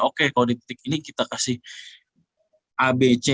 oke kalau di titik ini kita kasih abc